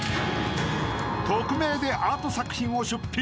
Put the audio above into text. ［匿名でアート作品を出品。